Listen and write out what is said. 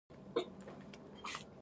ایا زما ځیګر روغ دی؟